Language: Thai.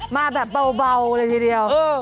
มาแบบเบาเลยทีเดียว